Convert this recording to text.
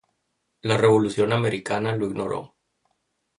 La Revolución Americana lo ignoró.